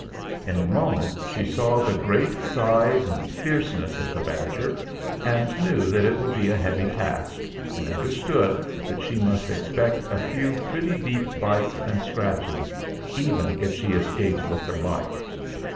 In a moment she saw the great size and fierceness 308 THE FLINT HEART of the badger, and knew that it would be a heavy task, and understood that she must ex pect a few pretty deep bites and scratches, even if she escaped with her life.